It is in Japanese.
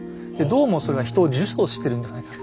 どうもそれは人を呪詛してるんではないか。